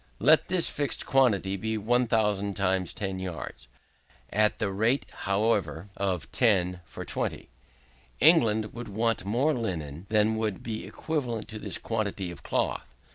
Let this fixed quantity be 1000 times 10 yards. At the rate, however, of 10 for 20, England would want more linen than would be equivalent to this quantity of cloth.